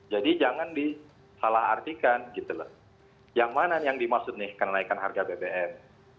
jadi jangan disalah artikan gitu loh yang mana yang dimaksud nih kenaikan harga bbm